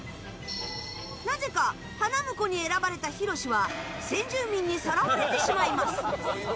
なぜか花婿に選ばれたひろしは先住民にさらわれてしまいます。